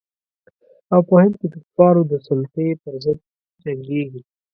او په هند کې د کفارو د سلطې پر ضد جنګیږي.